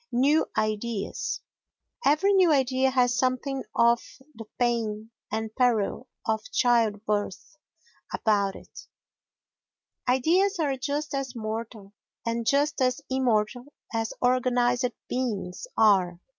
New Ideas Every new idea has something of the pain and peril of childbirth about it; ideas are just as mortal and just as immortal as organised beings are.